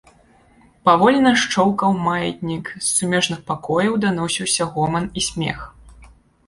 Павольна шчоўкаў маятнік, з сумежных пакояў даносіўся гоман і смех.